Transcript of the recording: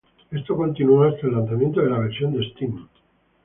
Esto continuó hasta el lanzamiento de la versión de Steam.